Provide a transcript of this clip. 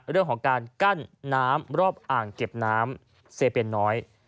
เรื่องของการกั้นน้ำรอบอ่างเก็บน้ำเซเปนน้อย